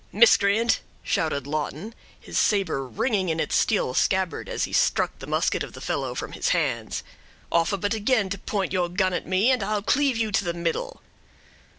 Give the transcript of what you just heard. "Miscreant!" shouted Lawton, his saber ringing in its steel scabbard, as he struck the musket of the fellow from his hands, "offer but again to point your gun at me, and I'll cleave you to the middle."